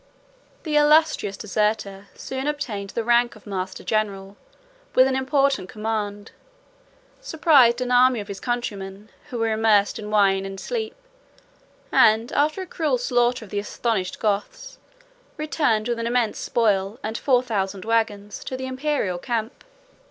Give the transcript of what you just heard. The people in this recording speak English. The illustrious deserter soon obtained the rank of master general, with an important command; surprised an army of his countrymen, who were immersed in wine and sleep; and, after a cruel slaughter of the astonished Goths, returned with an immense spoil, and four thousand wagons, to the Imperial camp.